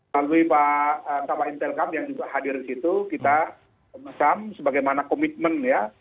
lalui pak kama intelkam yang juga hadir di situ kita mesam sebagaimana komitmen ya